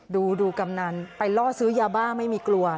ดูกำนันไปล่อซื้อยาบ้าไม่มีกลัว